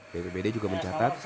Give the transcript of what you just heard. bppd juga mencatat